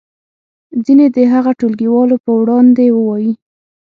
ځینې دې هغه ټولګیوالو په وړاندې ووایي.